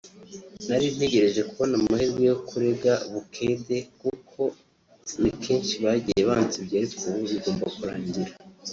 “Nari ntegereje kubona amahirwe yo kurega Bukedde kuko ni kenshi bagiye bansebya ariko ubu bigomba kurangira